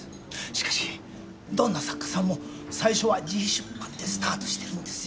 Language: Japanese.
しかしどんな作家さんも最初は自費出版でスタートしてるんですよ